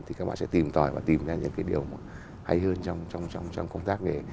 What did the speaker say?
thì các bạn sẽ tìm tòi và tìm ra những cái điều hay hơn trong công tác nghề